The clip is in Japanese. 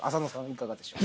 いかがでしょう？